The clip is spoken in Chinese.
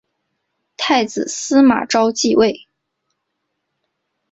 太子司马绍即位。